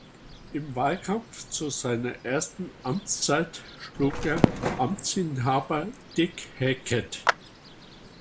Im Wahlkampf zu seiner ersten Amtszeit schlug er Amtsinhaber Dick Hackett.